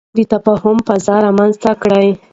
د تفاهم فضا رامنځته کړو.